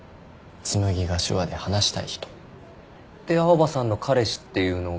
紬が手話で話したい人。で青羽さんの彼氏っていうのが。